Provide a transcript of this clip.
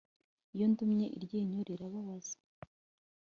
Iyo ndumye iryinyo rirababaza